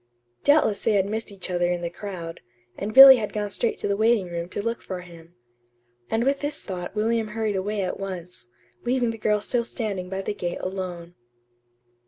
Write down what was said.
Doubtless they had missed each other in the crowd, and Billy had gone straight to the waiting room to look for him. And with this thought William hurried away at once, leaving the girl still standing by the gate alone.